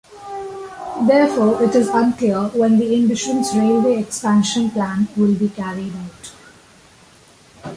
Therefore, it is unclear when the ambitions railway expansion plan will be carried out.